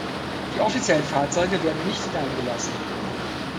Die offiziellen Fahrzeuge werden nicht hineingelassen.